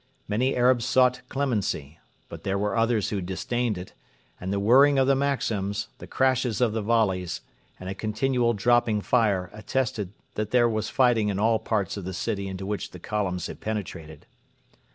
Many Arabs sought clemency; but there were others who disdained it; and the whirring of the Maxims, the crashes of the volleys, and a continual dropping fire attested that there was fighting in all parts of the city into which the columns had penetrated.